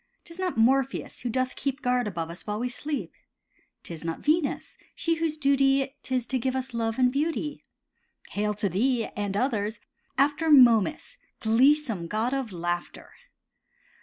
'Tis not Morpheus, who doth keep Guard above us while we sleep, 'Tis not Venus, she whose duty 'Tis to give us love and beauty; Hail to these, and others, after Momus, gleesome god of laughter.